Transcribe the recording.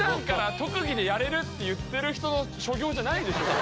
特技でやれるって言ってる人の所業じゃないでしょ。